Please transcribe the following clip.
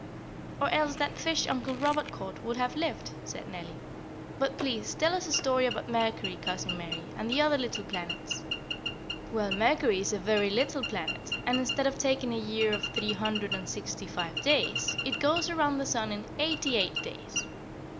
"Or else that fish Uncle Robert caught would have lived," said Nellie. "But please tell us a story about Mercury, Cousin Mary, and the other little planets." "Well, Mercury is a very little planet, and instead of taking a year of three hundred and sixty five days, it goes around the sun in eighty eight days.